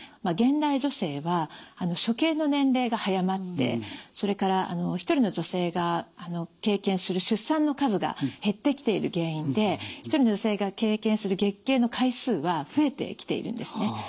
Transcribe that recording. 現代女性は初経の年齢が早まってそれから１人の女性が経験する出産の数が減ってきている原因で１人の女性が経験する月経の回数は増えてきているんですね。